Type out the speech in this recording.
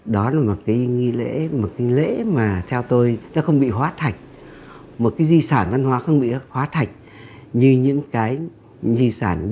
đó là một cái nghi lễ mà theo tôi nó không bị hóa thạch một cái di sản văn hóa không bị hóa thạch như những cái di sản